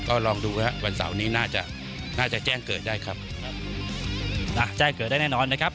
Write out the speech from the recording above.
ก็ลองดูครับวันเสาร์นี้น่าจะน่าจะแจ้งเกิดได้ครับอ่ะแจ้งเกิดได้แน่นอนนะครับ